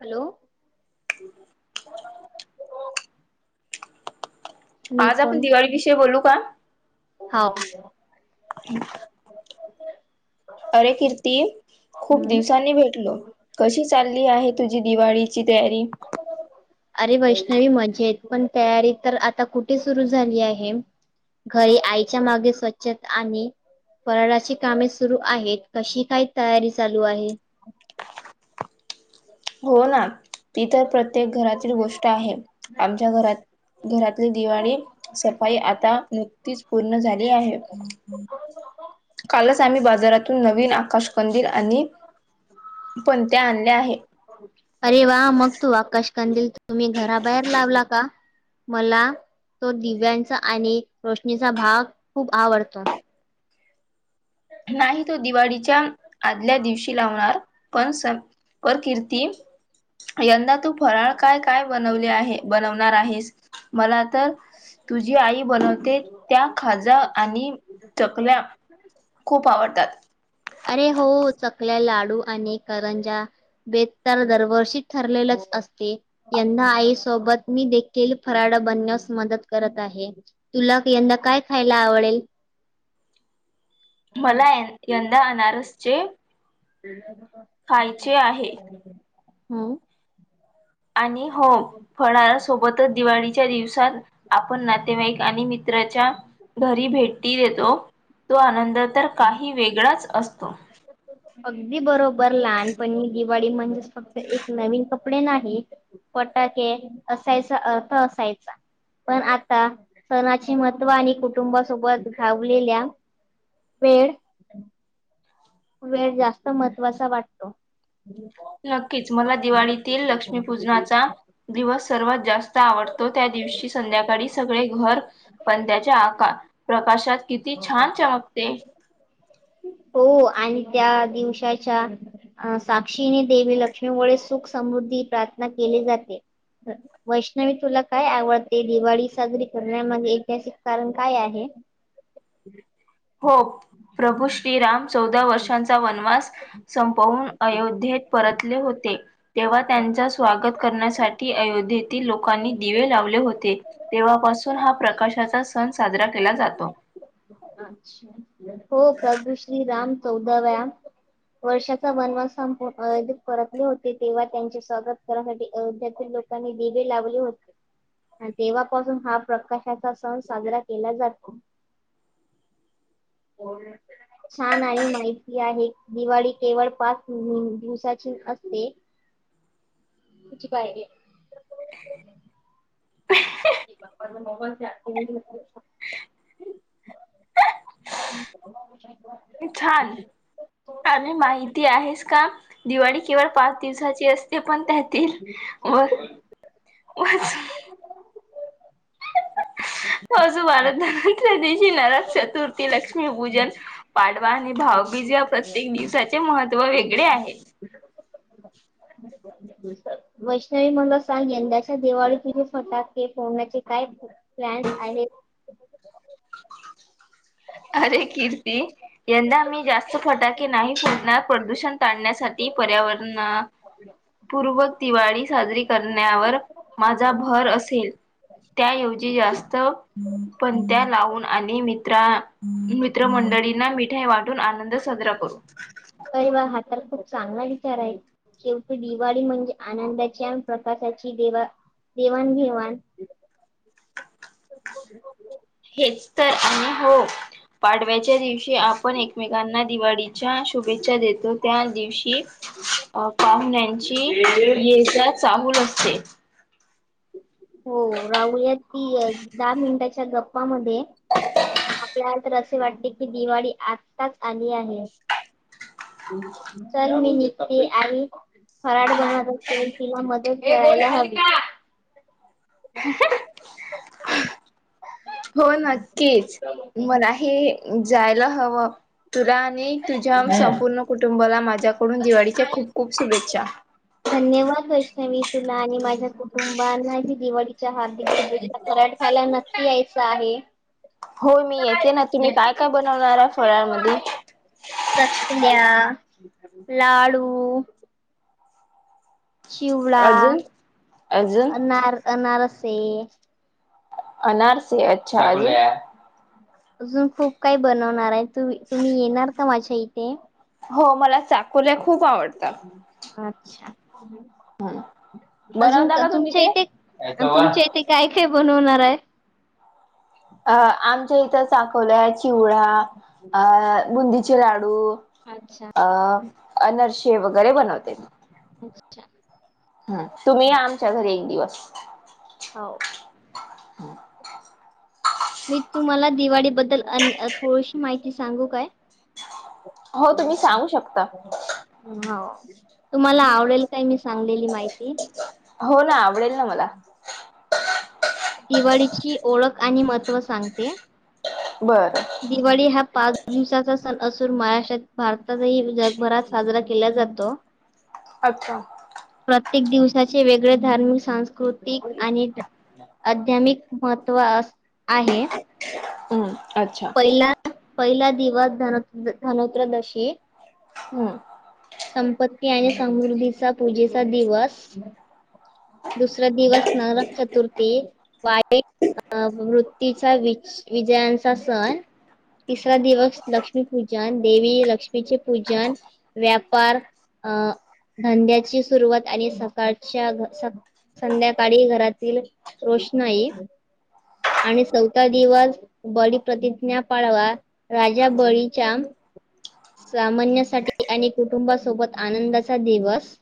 Hello. मी आज आपण दिवाळी विषयी बोलू का? हा. [inaudible] अरे किर्ती खूप हम्म दिवसांनी भेटलो. कशी चालली आहे तुझी दिवाळीची तयारी? अरे वैष्णवी मजेत पण तयारी तर आता कुठे सुरू झाली आहे. घरी आईच्या मागे स्वच्छता‌ आम्ही फराळाची कामे सुरू आहेत कशी काय तयारी चालू आहे? हो ना ती तर प्रत्येक घरातील गोष्ट आहे आमच्या घरात घरातली दिवाळी सफाई आता नुकतीच पूर्ण झाली आहे. कालच आम्ही बाजारातून नवीन आकाश कंदील आणि पणत्या आणल्या आहे. अरे वा मग तू आकाश कंदील तुम्ही घराबाहेर लावला का? मला तो दिव्यांचा आणि रोशनीचा भाग खूप आवडतो. नाही तो दिवाळीच्या आदल्या दिवशी लावणार पण स कर किर्ती यंदा फराळ काय काय बनवले आहे बनवणार आहेस मला तर तुझी आई बनवते त्या खाजा आणि चकल्या हं. खूप आवडतात. अरे हो चकल्या, लाडू आणि करंज्या. बेत तर दरवर्षीचं ठरलेलंच असते. यंदा आई सोबत मी देखील फराड बनण्यास मदत करत आहे. तुला यंदा काय खायला आवडेल? मला यंदा अनारसचे [unintelligible] खायचे आहे. हं आणि हो फराळासोबतच दिवाळीच्या दिवसात आपण नातेवाईक आणि मित्र ज्या घरी भेटी देतो तो आनंद तर काही वेगळाच असतो. अगदी बरोबर लहानपणी दिवाळी म्हणजेचं फक्त एक नवीन कपडे नाहीत. फटाके असायचा, अर्थ असायचा, पण आता सणा ही महत्व आणि कुटुंबासोबत घावलेल्या वेळ वेळ जास्त महत्त्वाचा वाटतो. [unintelligible] नक्कीच मला दिवाळीतील लक्ष्मीपूजनाचा दिवस सर्वात जास्त आवडतो त्या दिवशी संध्याकाळी सगळे घर पणत्याच्या आकार प्रकाशात किती छान चमकते. [unintelligible] [inaudible] हो आणि त्या दिवसाच्या अ साक्षीने देवी लक्ष्मी व सुख समृद्धी, प्रार्थना केली जाते. वैष्णवी तुला काय आवडते? दिवाळी साजरी करण्यामागे ऐतिहासिक कारण काय आहे? [unintelligible] हो प्रभू श्रीराम चौदा वर्षांचा वनवा- असं संपवून अयोध्येत परतले होते. तेव्हा त्यांचा स्वागत करण्यासाठी अयोध्येत ती लोकांनी दिवे लावले होते, तेव्हापासून हा प्रकाशाचा सण साजरा केला जातो. अच्छा, हो प्रभू श्रीराम चौदाव्या वर्षाचा वनवास संपवून अयोध्येत परतले होते, तेव्हा त्यांचे स्वागत कराण्यासाठी अयोधध्येतील लोक आणि दिवे लावले होते. आणि तेव्हापासून हा प्रकाशाचा सण साजरा केला जातो. होय. छान आणि माहिती आहे. दिवाळी केवळ पाच अ दिवसाची असते. [inaudible] [unintelligible] [unintelligible] मोबाईल [unintelligible] [inaudible] [unintelligible] छान आणि माहिती आहेस का, दिवाळी केवळ पाच दिवसाची अस ते पण त्यातील वर वरच वसुबारस, धनत्रयोदशी, नरक चतुर्थी, लक्ष्मीपूजन. पाडवा आणि भाऊबीज या प्रत्येक दिवसाचे महत्त्व वेगळे आहे. वैष्णवी मला सांग यंदाच्या दिवाळी तील फटाके फोडण्याचे काय प्लॅन्स आहेत. अरे कीर्ती यंदा मी जास्त फटाके नाही फोडणार. प्रदूषण टाळण्यासाठी, पर्यावरण पूर्वक दिवाळी साजरी करण्यावर माझा भर असेल. त्याऐवजी जास्त पणत्या लावून आणि मित्रा मित्रमंडळींना मिठाई वाटून आनंद साजरा करू. अरे वा हा तर खूप चांगला विचार आहे. शेवटी दिवाळी म्हणजे आनंदाची आणि प्रकाशाची देवा-देवाण घेवाण. [inaudible] तेच तर आणि हो पाडव्याच्या दिवशी आप आपण एकमेकांना दिवाळीच्या शुभेच्छा देतो. त्यादिवशी अ पाहुण्यांची ये जा चाहूल असते. हो राहूयात की दहा मिनिटाच्या गप्पामध्ये [unintelligible] आपल्याला तर असे वाटते की दिवाळी आत्ताच आली आहे. चल मी निघते आणि फराळ बनवत असेल एकिला तिला मदत करायला हवी. [inaudible] हो नक्कीच मलाही जायला हवं. तुला आणि तुझ्या संपूर्ण कुटुंबाला माझ्याकडून दिवाळीच्या खूप खूप शुभेच्छा. धन्यवाद वैष्णवी तुला आणि माझ्या तुम्हानांही दिवाळीच्या हार्दिक शुभेच्छा. फराट खायला नक्की यायच आहे. हो मी येते ना. तुम्ही काय काय बनवणार आहे फराळमध्ये? चकल्या, लाडू चिवडा, अजून अजून अनार-अनारसे. अनारसे अच्छा. अजून खूप काही बनवणार आहे, तु-तुम्ही येणार का माझ्या इथे? हो मला चाकोल्या खूप आवडतात. अच्छा. अजून बनवता का तुम्ही तुमच्या ते? इथे तुमच्या इथे काय काय बनवणार आहे? अ आमच्या इथं चाखोल्या, चिवडा अ बुंदीचे लाडू अच्छा. अ अनारसे वगैरे बनवतेत. अच्छा. हा तुम्ही या आमच्या घरी एक दिवस. हाव. मी तुम्हाला दिवाळी बद्दल अ अन थोडीशी माहिती सांगू काय? हो तुम्ही सांगू शकता. हो. तुम्हाला आवडेल काय मी सांगलेली माहिती? हो ना, आवडेल ना मला. दिवाळीची ओळख आणि महत्त्व सांगते. बरं. दिवाळी हा पाच दिवसाचा सण असून महाराष्ट्रात भारतातही जगभरात साजरा केला जातो. अच्छा. प्रत्येक दिवसाचे वेगळे धार्मिक, सांस्कृतिक आणि अध्यामिक महत्त्व अ आहे. हम्म. अच्छा पहिला, पहिला दिवस धन-धनत्रयोदशी. हम्म. संपत्ती आणि समृद्धीचा पूजेचा दिवस. दुसरा दिवस नरक चतुर्थी. वाईट अ वृत्तीचा वि-विजयांचा सण तिसरा दिवस लक्ष्मीपूजन. देवी लक्ष्मीचे पूजन, व्यापार अ धंद्याची सुरवात आणि सकाळच्या स संध्याकाळी घरातील रोषणाई आणि चौथा दिवस बळीप्रतिज्ञा पाडवा राजा बळीच्या सामान्यांसाठी आणि कुटुंबासोबत आनंदाचा दिवस.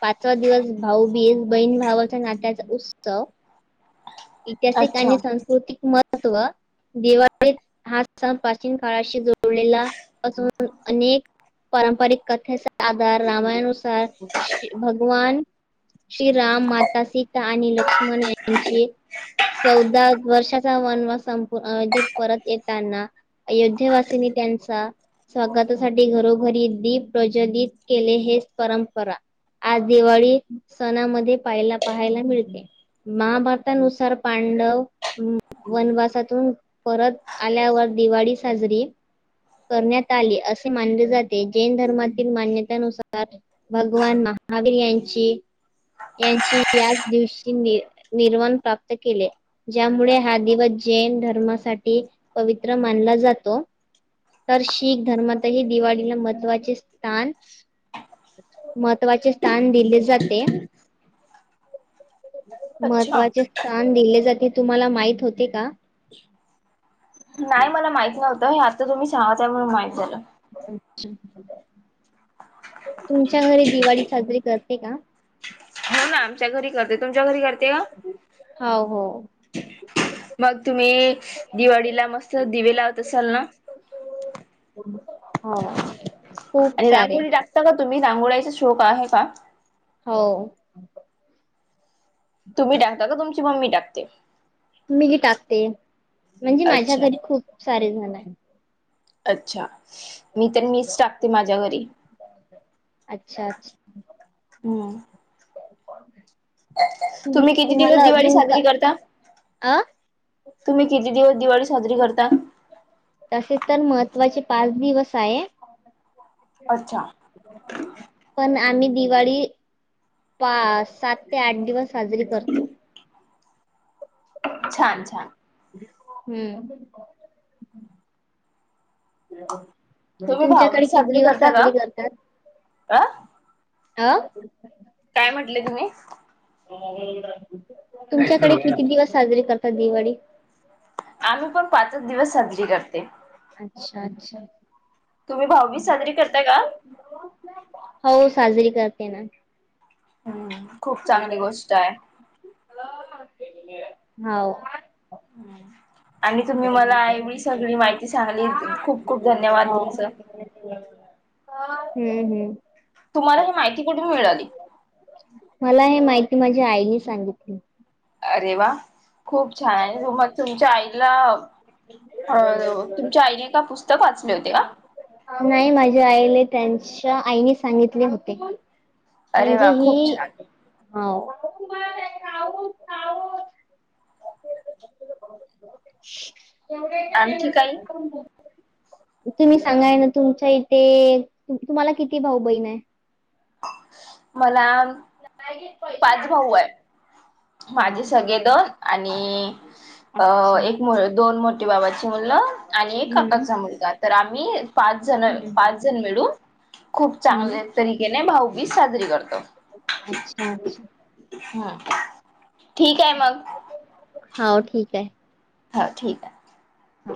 पाचवा दिवस भाऊबीज. बहीण भावाच्या नात्याचा उत्सव. ऐतिहासिक अच्छा आणि सांस्कृतिक महत्त्व. दिवाळीत हा सण प्राचीन काळाशी जोडलेला असून अनेक. पारंपरिक कथेचा आधार रामायणुसार श्री भगवान. श्रीराम माता सीता आणि लक्ष्मण यांची. चौदा वर्षाचा वनवास संप अयोध्येत परत येताना अयोध्येवासिंनी त्यांचा स्वागतासाठी घरोघरी दीप प्रज्वलित केले हेच परंपरा. आज दिवाळी सणामध्ये पाहाला पाहायला मिळते. महाभारतानुसार पांडव वनवासात तू परत आल्यावर दिवाळी साजरी. करण्यात आले असे मानले जाते जैन धर्मातील मान्यतेनुसार. भगवान महावीर यांची. यांची याच दिवशी नि निर्वाण प्राप्त केले. ज्यामुळे हा दिवस जैन धर्मासाठी पवित्र मानला जातो. तर शीख धर्मातही दिवाळीला महत्त्वाचे स्थान. महत्त्वाचे स्थान दिले जाते. अच्छा महत्त्वाचे स्थान दिले जाते तुम्हाला माहित होते का? नाही मला माहित नव्हतं हे आता तुम्ही सांगता म्हणून माहित झालं. अच्छ तुमच्या घरी दिवाळी साजरी करते का? हो ना आमच्या घरी करते तुमच्या घरी करते का? हो हो. मग तुम्ही दिवाळीला मस्त दिवे लावत असाल ना. हो खूप सारे. तो का तुम्ही रांगोळाचा शोक आहे का? हो. तुम्ही टाकता का तुमची मम्मी टाकते? मीही टाकते म्हणजे माझ्या अच्छा घरी खूप सारेजण आहेत. अच्छा. मी तर मीच टाकते माझ्या घरी अच्छा अच्छा हम्म. तु तुम्ही किती दिवस तुम्हाला दिवाळी अजून का साजरी करता? अ तुम्ही किती दिवस दिवाळी साजरी करता? तसे तर महत्त्वाचे पाच दिवस आहे. अच्छा. पण आम्ही दिवाळी पा सात ते आठ दिवस. साजरी करतो. छान छान. हम्म. तुम्ही तुमच्याकडे भाऊबीज किती दिवस साजरी करतात? अं? अं? काय म्हटले तुम्ही? तुमच्याकडे किती दिवस साजरे करता दिवाळी? आम्ही पण पाचच दिवस साजरी करते. अच्छा अच्छा. तुम्ही भाऊबीज साजरी करताय का? हो साजरी करते ना. हम्म खूप चांगली गोष्ट आहे. हो. आणि तुम्ही मला एवी सगळी माहिती सांगली खूप खूप धन्यवाद हो तुमचं. हम्म हम्म. तुम्हाला ही माहिती कठून मिळाली? मला हे माहिती माझ्या आईने सांगितली. अरे वा खूप छान आहे मग तुमच्या आईला. अ तुमच्या आईने का पुस्तक वाचले होते का? नाही माझ्या आईने त्यांच्या आईने सांगितले होते. अरे म्हणजे वा खूप ही छान हो. आणखी काही? [unintelligible] तुम्ही सांगाय ना तुमच्या इथे तुम्हाला किती भाऊ बहीण आहेत? मला. पाच भाऊ आहे हा माझे सगळे दोन आणि. अ अच्छा एक दोन मोठीे बाबाची मुलं आणि एक हम्म काकाचा मुलगा तर आम्ही. पाच जण हम्म पाच जण मिळून खूप हम्म चांगल्या तरीकेने भाऊबीज साजरी करतो. अच्छा अच्छा. हम्म ठीक आहे मग. हा ठीक आहे. हां ठीक आहे. हा.